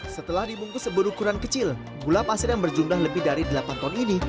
setelah dibungkus berukuran kecil gula pasir yang berjumlah lebih dari delapan ton ini